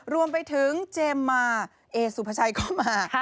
รวมไปถึงเจมส์มาเอสุภาชัยก็มา